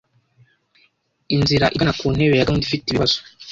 Inzira igana kuntebe ya gahunda ifite ibibazo